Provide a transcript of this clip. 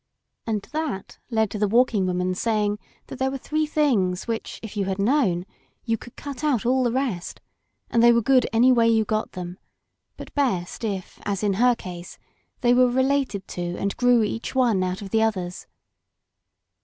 And that led to the Walking Woman saying that there were three things which if you had known you could cut out all the rest, and they were good any way you got them, but best if, as in her case, they were related to and grew each one out of the others.